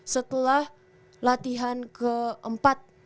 setelah latihan keempat